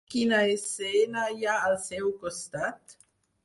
Quina escena hi ha al seu costat?